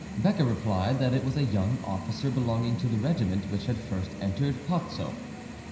Becker replied that it was a young officer belonging to the regiment which had first entered Pozzo.